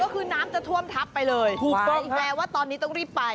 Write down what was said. ก็คือน้ำจะท่วมทับไปเลยถูกต้องอีกแปลว่าตอนนี้ต้องรีบไป